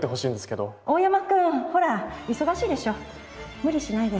無理しないで。